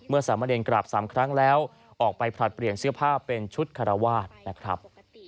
สามเณรกราบ๓ครั้งแล้วออกไปผลัดเปลี่ยนเสื้อผ้าเป็นชุดคารวาสนะครับ